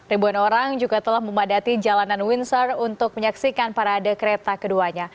ribuan orang juga telah memadati jalanan windsor untuk menyaksikan parade kereta keduanya